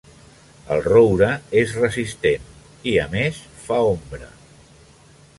El roure és resistent i, a més, fa ombra.